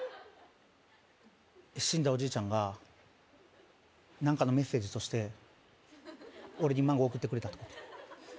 死んだおじいちゃんが何かのメッセージとして俺にマンゴー送ってくれたってこと？